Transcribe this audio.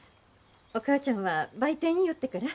お母ちゃんは売店寄ってから。